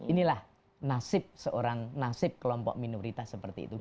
inilah nasib seorang nasib kelompok minoritas seperti itu